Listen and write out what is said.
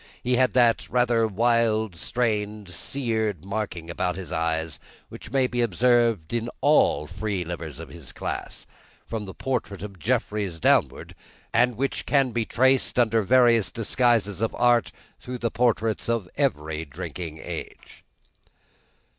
He had that rather wild, strained, seared marking about the eyes, which may be observed in all free livers of his class, from the portrait of Jeffries downward, and which can be traced, under various disguises of Art, through the portraits of every Drinking Age.